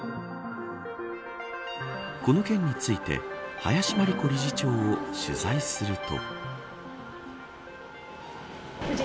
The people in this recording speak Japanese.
この件について林真理子理事長を取材すると。